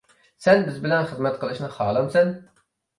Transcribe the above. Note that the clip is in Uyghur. -سەن بىز بىلەن خىزمەت قىلىشنى خالامسەن؟